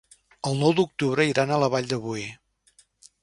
El nou d'octubre iran a la Vall de Boí.